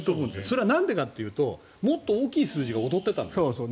それはなんでかというともっと大きい数字が踊っていたから。